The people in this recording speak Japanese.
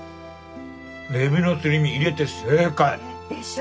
エビのすり身入れて正解。でしょ？